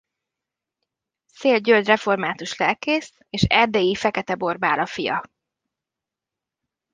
Széll György református lelkész és Erdélyi Fekete Borbála fia.